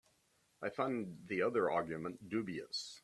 I find the other argument dubious.